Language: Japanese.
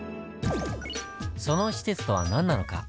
その施設とは何なのか。